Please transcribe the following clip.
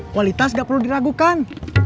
kualitas gak perlu diragukan